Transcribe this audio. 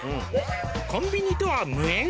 「コンビニとは無縁？」